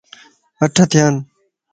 اَٺ ٿيا ان